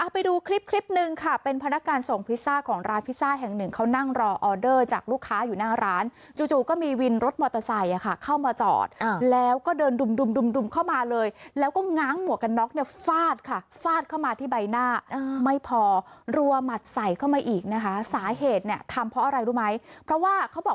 ไปดูคลิปคลิปหนึ่งค่ะเป็นพนักงานส่งพิซซ่าของร้านพิซซ่าแห่งหนึ่งเขานั่งรอออเดอร์จากลูกค้าอยู่หน้าร้านจู่จู่ก็มีวินรถมอเตอร์ไซค์เข้ามาจอดแล้วก็เดินดุมดุมดุมเข้ามาเลยแล้วก็ง้างหมวกกันน็อกเนี่ยฟาดค่ะฟาดเข้ามาที่ใบหน้าไม่พอรัวหมัดใส่เข้ามาอีกนะคะสาเหตุเนี่ยทำเพราะอะไรรู้ไหมเพราะว่าเขาบอก